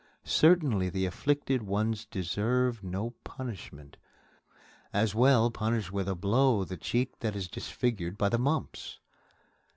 Certainly the afflicted one deserves no punishment. As well punish with a blow the cheek that is disfigured by the mumps.